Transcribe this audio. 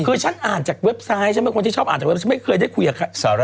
คือฉันอ่านจากเว็บไซต์ฉันเป็นคนที่ชอบอ่านจากเว็บไม่เคยได้คุยกับสาระ